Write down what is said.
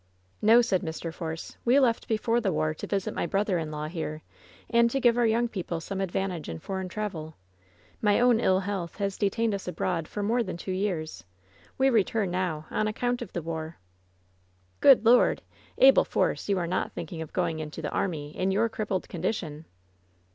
"No,'' said Mr. Force, "we left before the war to visit my brother in law here, and to give our young peo ple some advantage in foreign travel. My own ill health has detained us abroad for more than two years. We re turn now on accoimt of the war." "Good Lord! Abel Force, you are not thinking of go ing into the army in your crippled condition!"